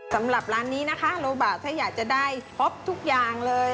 สำหรับร้านนี้นะคะโลบะถ้าอยากจะได้ครบทุกอย่างเลย